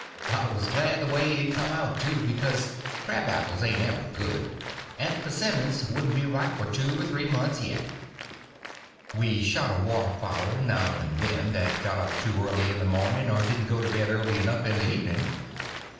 I was glad the way it come out, too, because crabapples ain't ever good, and the p'simmons wouldn't be ripe for two or three months yet. We shot a water fowl now and then that got up too early in the morning or didn't go to bed early enough in the evening.